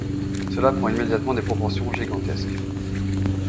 Cela prend immédiatement des proportions gigantesques.